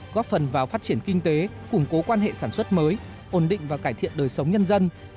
góp phần vào phát triển kinh tế củng cố quan hệ sản xuất mới ổn định và cải thiện đời sống nhân dân